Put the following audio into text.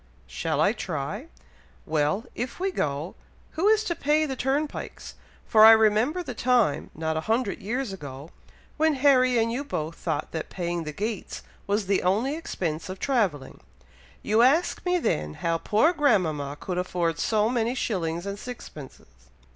"Shall I try? Well, if we go, who is to pay the turnpikes, for I remember the time, not a hundred years ago, when Harry and you both thought that paying the gates was the only expense of travelling. You asked me then how poor grandmama could afford so many shillings and sixpences."